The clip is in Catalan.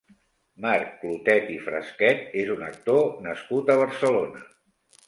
Marc Clotet i Fresquet és un actor nascut a Barcelona.